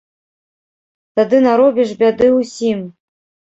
Тады наробіш бяды ўсім.